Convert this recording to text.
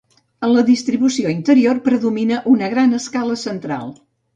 En la distribució interior predomina una gran escala central.